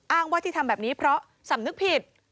อ้างว่าที่ทำแบบนี้เพราะสำนึกผิด